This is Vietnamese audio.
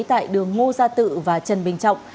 tại đường ngô gia tự và trần bình trọng